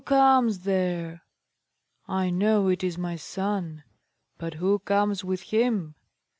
who comes there? I know it is my son. But who comes with him?